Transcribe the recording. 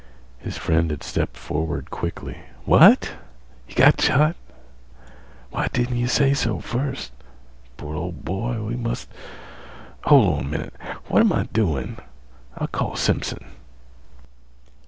His friend had stepped forward quickly. "What? Got shot? Why didn't yeh say so first? Poor ol' boy, we must—hol' on a minnit; what am I doin'. I'll call Simpson."